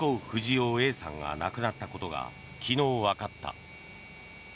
不二雄Ａさんが亡くなったことが昨日、わかった。